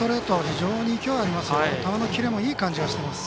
非常に勢いあります。